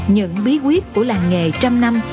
những bí quyết của làng nghề trăm năm